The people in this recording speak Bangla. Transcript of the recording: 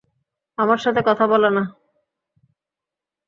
আমার সাথে কথা বলা না।